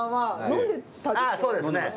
ああそうですね。